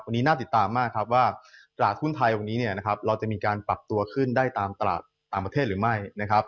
วันนี้น่าติดตามมากครับว่าตลาดหุ้นไทยวันนี้เนี่ยนะครับเราจะมีการปรับตัวขึ้นได้ตามตลาดต่างประเทศหรือไม่นะครับ